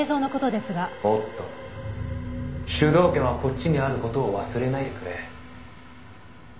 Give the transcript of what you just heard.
「おっと主導権はこっちにある事を忘れないでくれ」